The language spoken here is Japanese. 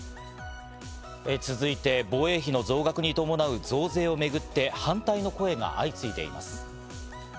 続いて、防衛費の増額に伴う増税をめぐって、反対の声が相次いでいます。